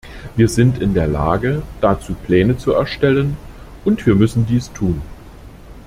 Wir sind in der Lage, dazu Pläne zu erstellen, und wir müssen dies tun.